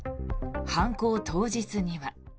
犯行当日には。